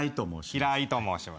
平井と申します。